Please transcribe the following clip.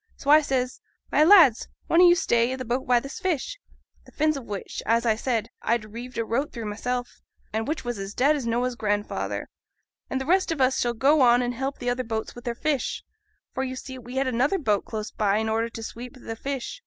So I says, "My lads, one o' you stay i' th' boat by this fish," the fins o' which, as I said, I'd reeved a rope through mysel', and which was as dead as Noah's grandfather "and th' rest on us shall go off and help th' other boats wi' their fish." For, you see, we had another boat close by in order to sweep th' fish.